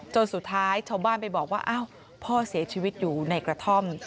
สุดท้ายชาวบ้านไปบอกว่าอ้าวพ่อเสียชีวิตอยู่ในกระท่อม